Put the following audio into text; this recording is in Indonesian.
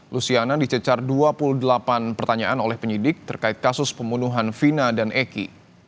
luciana dicecar dua puluh delapan pertanyaan oleh penyidik terkait kasus pembunuhan vina dan eki